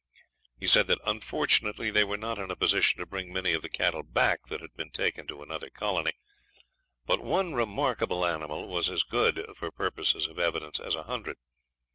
He said that unfortunately they were not in a position to bring many of the cattle back that had been taken to another colony; but one remarkable animal was as good for purposes of evidence as a hundred.